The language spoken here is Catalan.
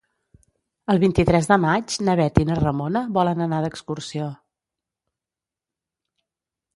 El vint-i-tres de maig na Bet i na Ramona volen anar d'excursió.